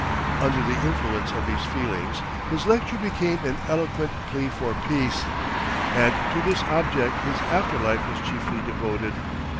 Under the influence of these feelings, his lecture became an eloquent plea for peace, and to this object his after life was chiefly devoted.